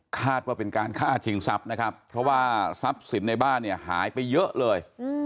คาดว่าเป็นการฆ่าชิงทรัพย์นะครับเพราะว่าทรัพย์สินในบ้านเนี่ยหายไปเยอะเลย